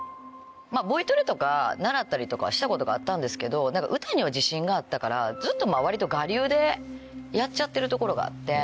ボイトレとか習ったりとかしたことがあったんですけど歌には自信があったからずっと割と我流でやっちゃってるところがあって。